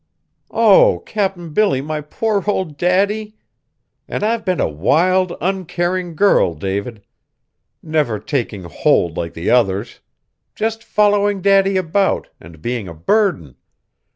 "Oh! Cap'n Billy, my poor old Daddy! And I've been a wild, uncaring girl, David. Never taking hold like the others! Just following Daddy about, and being a burden!